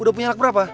udah punya lak berapa